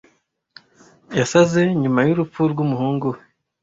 Yasaze nyuma y'urupfu rw'umuhungu we.